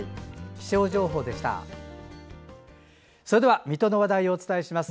気象情報でした。